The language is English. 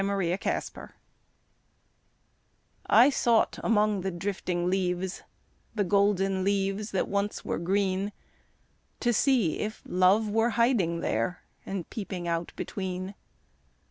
Love in Autumn I sought among the drifting leaves, The golden leaves that once were green, To see if Love were hiding there And peeping out between.